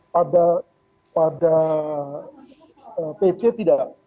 pada pc tidak